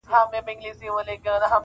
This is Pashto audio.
په هفتو یې سره وکړل مجلسونه-